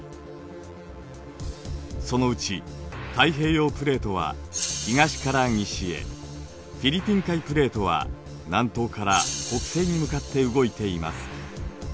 そのうち太平洋プレートは東から西へフィリピン海プレートは南東から北西に向かって動いています。